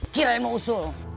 kira yang mau usul